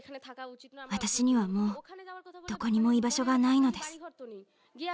私にはもうどこにも居場所がないのです。